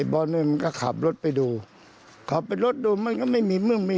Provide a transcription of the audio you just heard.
ผมก็ไม่ทราบ